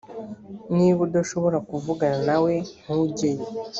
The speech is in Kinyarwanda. niba udashobora kuvugana nawe, ntujyeyo